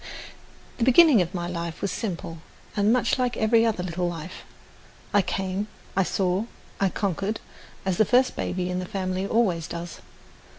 The beginning of my life was simple and much like every other little life. I came, I saw, I conquered, as the first baby in the family always does.